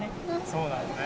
そうなのね。